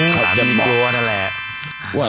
อ๋อสามีกลัวนั่นแหละ